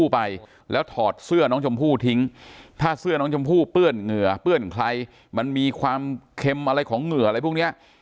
ถ้าเสื้อน้องชมพู่เปื้อนเหงื่อเปื้อนใครมันมีความเค็มอะไรของเหงื่ออะไรพวกเนี้ย